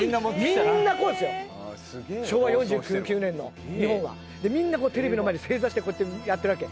みんなこうですよ昭和４９年の日本は。でみんなテレビの前で正座してこうやってやってるわけ。